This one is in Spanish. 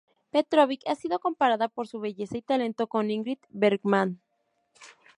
Petrovic ha sido comparada por su belleza y talento con Ingrid Bergman.